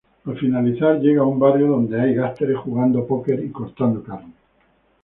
Al finalizar, llega a un barrio donde hay gánsteres jugando póquer y cortando carne.